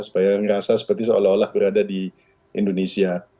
supaya merasa seperti seolah olah berada di indonesia